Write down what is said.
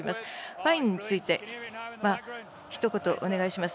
ファンについて、ひと言お願いします。